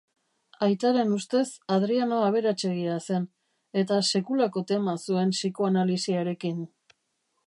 Aitaren ustez Adriano aberatsegia zen, eta sekulako tema zuen psikoanalisiarekin.